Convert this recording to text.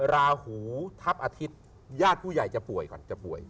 ราหูทัพอาทิตย์ญาติผู้ใหญ่จะป่วยก่อนจะป่วย